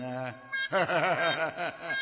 ハハハハ